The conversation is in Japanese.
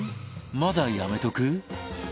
まだやめとく？